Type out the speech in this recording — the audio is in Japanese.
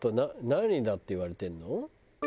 何だって言われてるの？